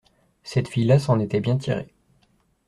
Cette fille-là s’en était bien tirée.